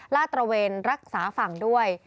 ละตระเวนรักษาฝั่งด้วย